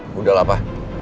mudah lah pa